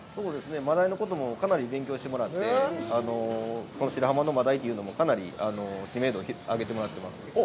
真鯛のこともかなり勉強してもらって、この白浜の真鯛というのも、かなり知名度を上げてもらってます。